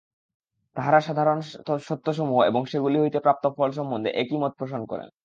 তাঁহারা সাধারণ সত্যসমূহ এবং সেগুলি হইতে প্রাপ্ত ফল সম্বন্ধে একই মত পোষণ করেন।